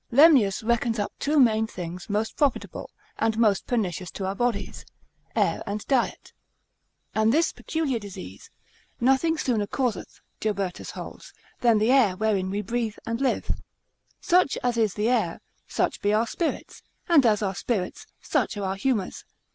Lemnius reckons up two main things most profitable, and most pernicious to our bodies; air and diet: and this peculiar disease, nothing sooner causeth (Jobertus holds) than the air wherein we breathe and live. Such as is the air, such be our spirits; and as our spirits, such are our humours.